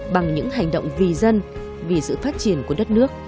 bằng những hành động vì dân vì sự phát triển của đất nước